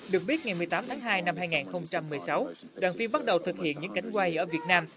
được biết ngày một mươi tám tháng hai năm hai nghìn một mươi sáu đoàn viên bắt đầu thực hiện những cánh quay ở việt nam